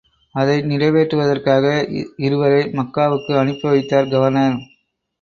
அதை நிறைவேற்றுவதற்காக இருவரை மக்காவுக்கு அனுப்பி வைத்தார் கவர்னர்.